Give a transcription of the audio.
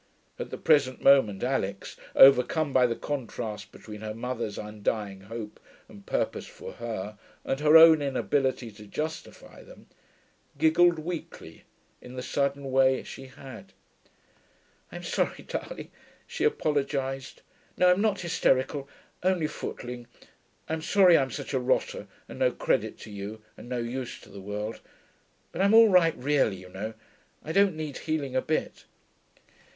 At the present moment Alix, overcome by the contrast between her mother's undying hope and purpose for her and her own inability to justify them, giggled weakly, in the sudden way she had. 'I'm sorry, darling,' she apologised. 'No, I'm not hysterical, only footling. I'm sorry I'm such a rotter and no credit to you and no use to the world. But I'm all right really, you know. I don't need healing a bit.'